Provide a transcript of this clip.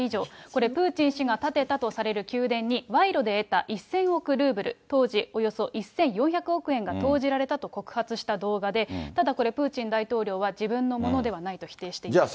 これ、プーチン氏が建てたとされる宮殿に、賄賂で得た１０００億ルーブル、当時、およそ１４００億円が投じられたと告発した動画で、ただこれ、プーチン大統領は、自分のものではないと否定しています。